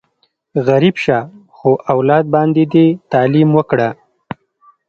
غریب شه، خو اولاد باندې دې تعلیم وکړه!